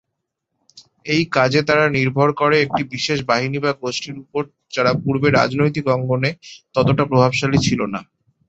এই কাজে তারা নির্ভর করে একটি বিশেষ বাহিনী বা গোষ্ঠীর উপর যারা পূর্বে রাজনৈতিক অঙ্গনে ততটা প্রভাবশালী ছিল না।